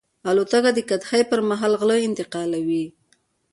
الوتکه د قحطۍ پر مهال غله انتقالوي.